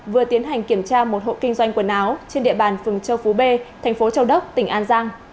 vừa tiến hành kiểm tra một hộ kinh doanh quần áo trên địa bàn phường châu phú b thành phố châu đốc tỉnh an giang